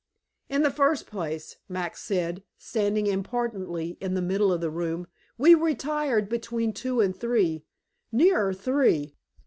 "In the first place," Max said, standing importantly in the middle of the room, "we retired between two and three nearer three.